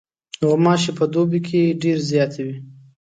غوماشې په دوبي کې ډېرې زیاتې وي.